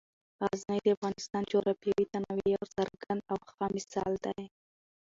غزني د افغانستان د جغرافیوي تنوع یو څرګند او ښه مثال دی.